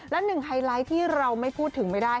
และหนึ่งไฮไลท์ที่เราไม่พูดถึงไม่ได้